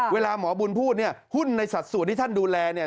เวลาหมอบุญพูดเนี่ยหุ้นในสัดส่วนที่ท่านดูแลเนี่ย